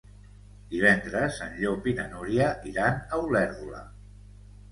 Divendres en Llop i na Núria iran a Olèrdola.